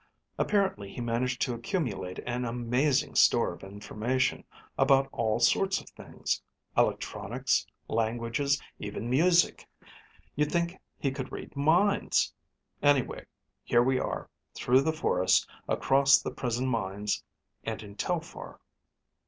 Apparently he managed to accumulate an amazing store of information, about all sorts of things electronics, languages, even music. You'd think he could read minds. Anyway, here we are, through the forest, across the prison mines, and in Telphar."